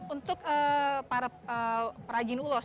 untuk para peragin ulas